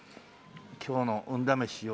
今日の運試しを。